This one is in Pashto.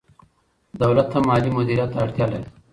دولت هم مالي مدیریت ته اړتیا لري.